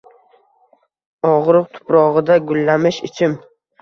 og’riq tuprog’ida gullamish ichim.